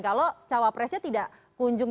kalau cawapresnya tidak kunjung